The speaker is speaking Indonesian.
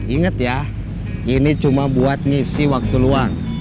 ingat ya ini cuma buat ngisi waktu luang